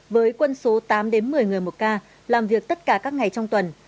với quân số tám một mươi người một ca làm việc tất cả các ngày trong tuần